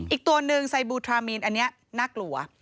อีกตัวหนึ่งไซบูทรามีนอันนี้น่ากลัว